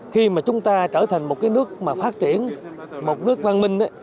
khi mà chúng ta trở thành một cái nước mà phát triển một nước văn minh